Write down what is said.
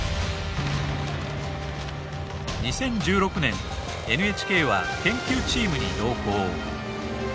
２０１６年ＮＨＫは研究チームに同行。